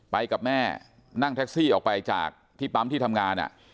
กับแม่นั่งแท็กซี่ออกไปจากที่ปั๊มที่ทำงาน